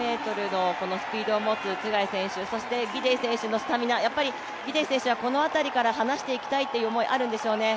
１５００ｍのスピードを持つツェガイ選手、そしてギデイ選手のスタミナ、ギデイ選手はこの辺りから離していきたいという思い、あるんでしょうね。